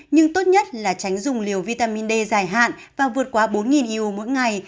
nhưng tốt nhất là tránh dùng liều vitamin d dài hạn và vượt qua bốn iu mỗi ngày